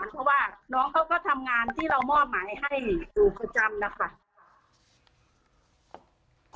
เพราะว่าน้องเขาก็ทำงานที่เรามอบหมายให้อยู่ประจำนะคะ